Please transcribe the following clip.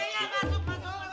masuk masuk masuk